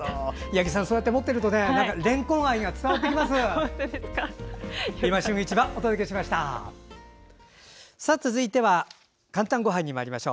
八木さんそうやって持っているとれんこん愛が伝わってきます。